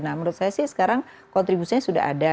nah menurut saya sih sekarang kontribusinya sudah ada